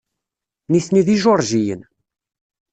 Nitni d Ijuṛjiyen.